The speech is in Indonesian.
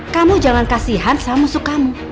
kamu jangan kasihan sama musuh kamu